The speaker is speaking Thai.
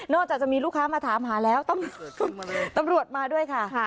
จากจะมีลูกค้ามาถามหาแล้วตำรวจมาด้วยค่ะ